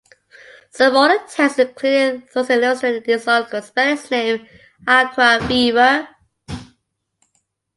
Some older texts, including those illustrated in this article, spell his name "Aquaviva".